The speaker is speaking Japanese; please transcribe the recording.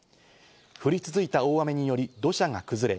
降り続いた大雨により土砂が崩れ